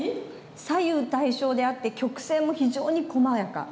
左右対称であって曲線も非常にこまやか。